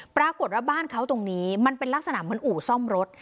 ปรากฏว่าบ้านเขาตรงนี้มันเป็นลักษณะเหมือนอู่ซ่อมรถ